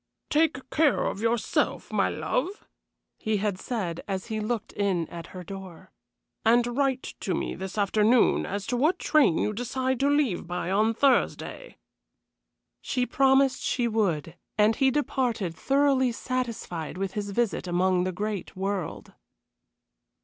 "Take care of yourself, my love," he had said, as he looked in at her door, "and write to me this afternoon as to what train you decide to leave by on Thursday." She promised she would, and he departed, thoroughly satisfied with his visit among the great world.